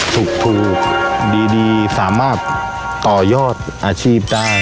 ถูกดีสามารถต่อยอดอาชีพได้